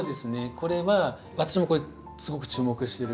これは私もこれすごく注目してる。